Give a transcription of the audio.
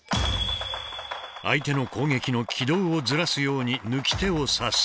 相手の攻撃の軌道をずらすように貫手を差す。